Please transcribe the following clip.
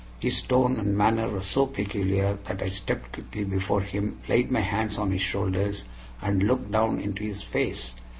His tone and manner were so peculiar that I stepped quickly before him, laid my hands on his shoulders, and looked down into his face.